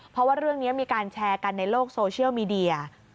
เพราะว่าเรื่องนี้มีการแชร์กันในโลกโซเชียลมีเดีย